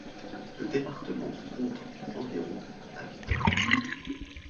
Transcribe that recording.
Le département compte environ habitants.